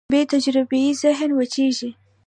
بېتجربې ذهن وچېږي.